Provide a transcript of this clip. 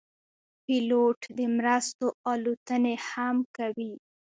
پیلوټ د مرستو الوتنې هم کوي.